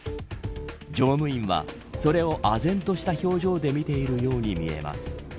乗務員はそれをあ然とした表情で見ているように見えます。